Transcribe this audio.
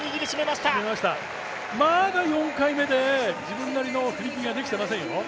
まだ４回目で自分なりの投げができてませんよ。